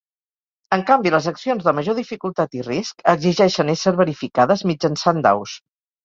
En canvi, les accions de major dificultat i risc exigeixen ésser verificades mitjançant daus.